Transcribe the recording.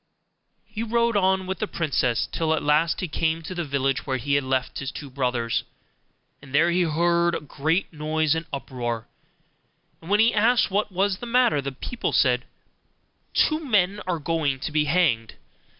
He rode on with the princess, till at last he came to the village where he had left his two brothers. And there he heard a great noise and uproar; and when he asked what was the matter, the people said, 'Two men are going to be hanged.